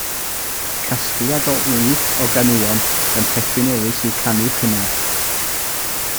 Casgliad o wyth o ganeuon gan Tecwyn Ellis yw Canu Cynnar.